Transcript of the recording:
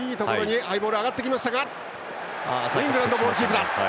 イングランドがボールキープ。